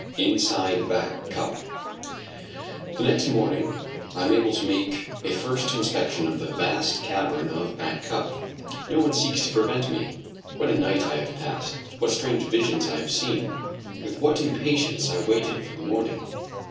INSIDE BACK CUP. The next morning I am able to make a first inspection of the vast cavern of Back Cup. No one seeks to prevent me. What a night I have passed! What strange visions I have seen! With what impatience I waited for morning!